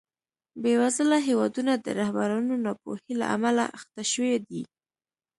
بېوزله هېوادونه د رهبرانو ناپوهۍ له امله اخته شوي دي.